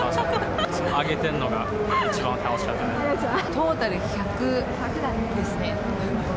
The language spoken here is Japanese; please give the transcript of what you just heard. トータル１００ですね。